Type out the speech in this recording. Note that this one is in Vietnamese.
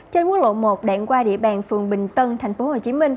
trên quốc lộ một đoạn qua địa bàn phường bình tân tp hcm